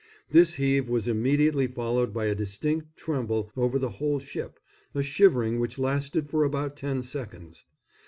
This heave was immediately followed by a distinct tremble over the whole ship, a shivering which lasted for about ten seconds.